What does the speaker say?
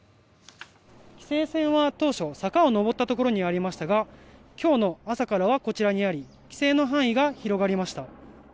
「規制線は当初坂を登った所にありましたが今日、朝からはこちらにあり規制の範囲が広がりました」